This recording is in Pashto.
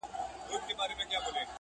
o انسان ته خبره، خره ته لرگى٫